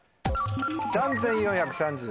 「３４３０」。